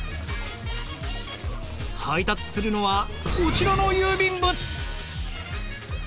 配達するのはこちらの郵便物！